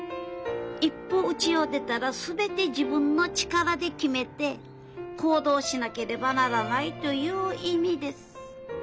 『一歩うちを出たらすべて自分の力で決めて行動しなければならない』という意味です。